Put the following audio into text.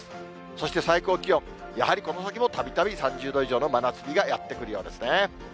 そして最高気温、やはりこの先もたびたび３０度以上の真夏日がやって来るようですね。